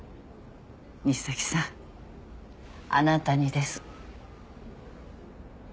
西崎さんあなたにです。